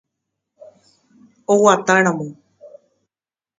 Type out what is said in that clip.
Oguataramo.